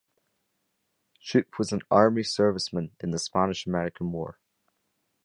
Shoup was an army serviceman in the Spanish–American War.